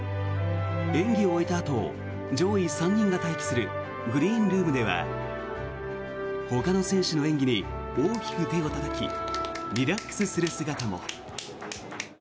演技を終えたあと上位３人が待機するグリーンルームではほかの選手の演技に大きく手をたたきリラックスする姿も。